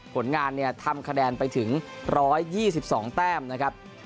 ผลงานเนี่ยทำคะแนนไปถึง๑๒๒แต้มนะครับ